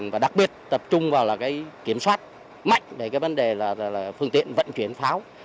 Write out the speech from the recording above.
và đặc biệt tập trung vào kiểm soát mạnh về vấn đề phương tiện vận chuyển pháo